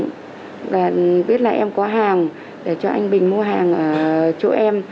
và biết là em có hàng để cho anh bình mua hàng ở chỗ em